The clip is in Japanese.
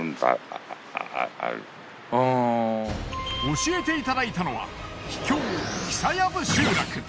教えていただいたのは秘境久藪集落。